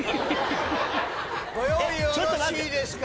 ご用意よろしいですか？